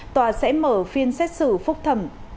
tòa sẽ mở phiên xét xử phúc thẩm